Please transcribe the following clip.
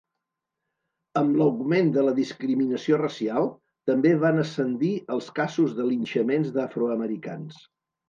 Amb l'augment de la discriminació racial, també van ascendir els casos de linxaments d'afroamericans.